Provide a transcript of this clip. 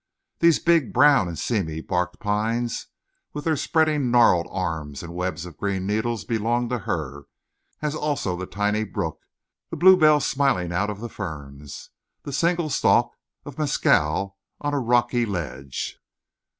These big brown and seamy barked pines with their spreading gnarled arms and webs of green needles belonged to her, as also the tiny brook, the blue bells smiling out of the ferns, the single stalk of mescal on a rocky ledge.